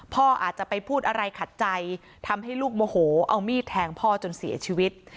พ่ออาจจะไปพูดอะไรขัดใจทำให้ลูกโมโหเอามีดแทงพ่อจนเสียชีวิต